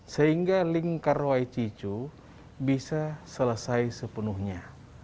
sehingga lingkar wajicu bisa selesai sepenuhnya